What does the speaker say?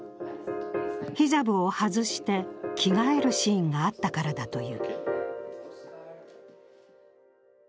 ヒジャブを外して着替えるシーンがあったからだという。